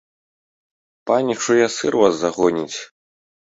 Паніч ў ясыр вас загоніць!